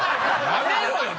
やめろよ！